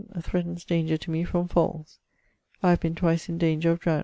threatnes danger to me from falls. I have been twice in danger of drowning.